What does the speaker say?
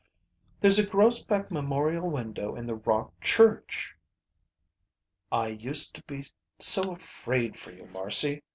"There's a Grosbeck memorial window in the Rock Church." "I used to be so afraid for you, Marcy.